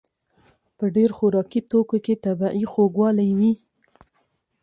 په ډېر خوراکي توکو کې طبیعي خوږوالی وي.